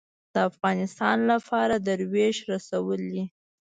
د افغانستان لپاره دروېش رسولې